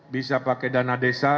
bisa pakai dana desa